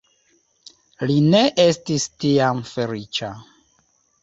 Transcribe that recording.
Li ne estis tiam feliĉa.